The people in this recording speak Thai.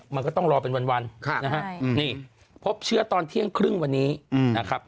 มันก็ต้องรอเป็นวันนะฮะนี่พบเชื้อตอนเที่ยงครึ่งวันนี้นะครับ